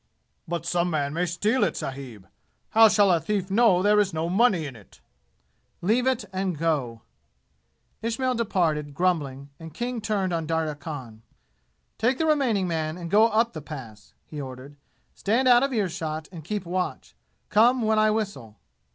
"But some man may steal it, sahib. How shall a thief know there is no money in it?" "Leave it and go!" Ismail departed, grumbling, and King turned on Darya Khan. "Take the remaining man, and go up the Pass!" he ordered. "Stand out of ear shot and keep watch. Come when I whistle!"